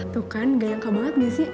tuh kan gak nyangka banget gak sih